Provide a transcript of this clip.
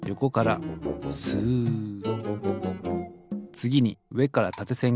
つぎにうえからたてせん